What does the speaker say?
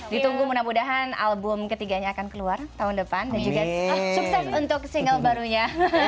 ditunggu mudah mudahan album ketiganya akan keluar tahun depan dan juga sukses untuk single barunya